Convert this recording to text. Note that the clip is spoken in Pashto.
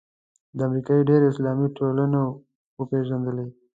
د امریکې ډېرو اسلامي ټولنو وپېژندلې.